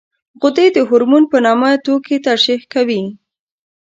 غدې د هورمون په نامه توکي ترشح کوي.